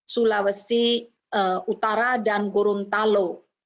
sulawesi utara dan gorontalo